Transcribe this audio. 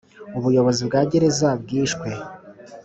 Ubuyobozi bwa gereza bwishwe